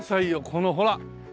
このほら！